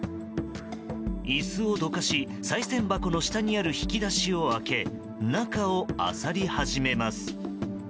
椅子をどかしさい銭箱の下にある引き出しを開け中をあさり始めます。